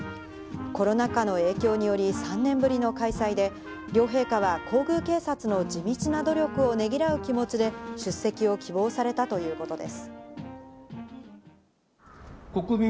コロナ禍の影響により３年ぶりの開催で、両陛下は皇宮警察の地道な努力をねぎらう気持ちで出席を希望されたということです。